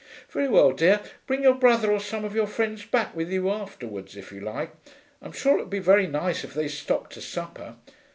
'Very well, dear. Bring your brother or some of your friends back with you afterwards, if you like. I'm sure it would be very nice if they stopped to supper.